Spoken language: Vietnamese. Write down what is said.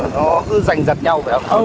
nó cứ dành dạch nhau vậy không